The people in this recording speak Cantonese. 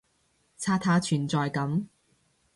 刷下存在感